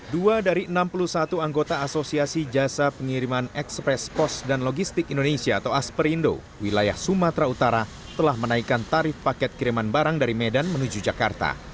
dua dari enam puluh satu anggota asosiasi jasa pengiriman ekspres pos dan logistik indonesia atau asperindo wilayah sumatera utara telah menaikkan tarif paket kiriman barang dari medan menuju jakarta